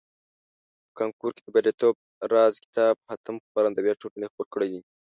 په کانکور کې د بریالیتوب راز کتاب حاتم خپرندویه ټولني خپور کړیده.